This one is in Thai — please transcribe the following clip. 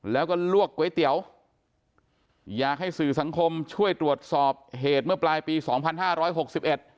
แล้วก็ลวกก๋วยเตี๋ยวอยากให้สื่อสังคมช่วยตรวจสอบเหตุเมื่อปลายปีสองพันห้าร้อยหกสิบเอ็ด